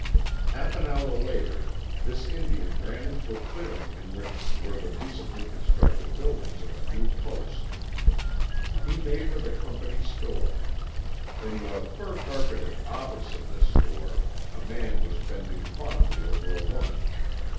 Half an hour later this Indian ran into a clearing in which were the recently constructed buildings of a new Post. He made for the Company store. In the fur carpeted "office" of this store a man was bending fondly over a woman.